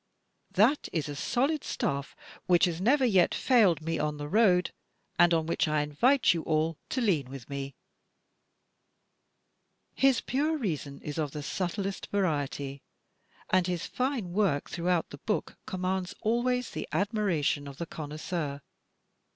That is a solid staff which has never yet failed me on the road and on which I invite you all to lean with me. OTHER DETECTIVES OF FICTION I49 His pure reason is of the subtlest variety, and his fine work throughout the book commands always the admiration of the connoisseur.